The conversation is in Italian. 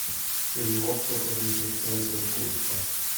Il rimorso produce il senso di colpa.